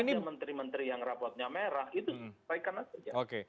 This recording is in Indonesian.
siapa saja menteri menteri yang rapatnya merah itu sampaikan saja